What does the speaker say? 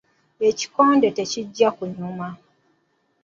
Ekikonde tekijja kunyuma.